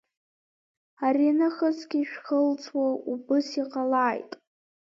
Аринахысгьы ишәхылҵуа убыс иҟалааит!